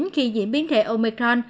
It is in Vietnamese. khi nhiễm biến thể omicron